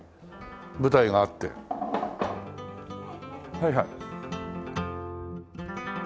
はいはい。